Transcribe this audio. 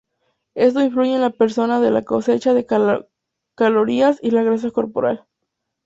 Esto influye en la persona de la cosecha de calorías y la grasa corporal.